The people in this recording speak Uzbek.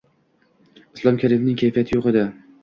Islom Karimovning kayfiyati yo'q edi